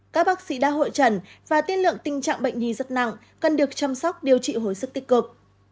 các bác sĩ đã hội trần và tiên lượng tình trạng bệnh nhi rất nặng cần được chăm sóc điều trị hồi sức tích cực